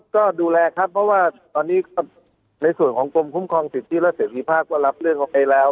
ก็ดูแลครับเพราะว่าตอนนี้ในส่วนของกรมคุ้มครองสิทธิและเสรีภาพก็รับเรื่องออกไปแล้ว